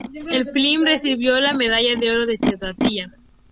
El film recibió la Medalla de Oro de Serradilla.